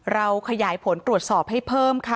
เราขยายผลตรวจสอบให้เพิ่มค่ะ